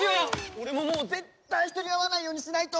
俺ももう絶対人に会わないようにしないと！